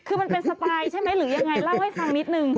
คือมันเป็นสไตล์ใช่ไหมหรือยังไงเล่าให้ฟังนิดนึง